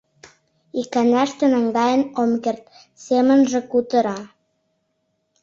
— Иканаште наҥгаен ом керт, — семынже кутыра.